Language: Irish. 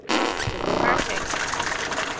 Tugadh thart é.